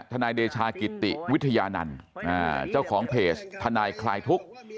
ทนายเดชากิติวิทยานันต์เจ้าของเพจทนายคลายทุกข์